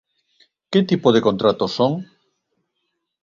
¿Que tipo de contratos son?